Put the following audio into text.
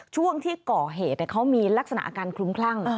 ช่วงที่ก่อเหตุเขามีลักษณะอาการคลุ้มคลั่ง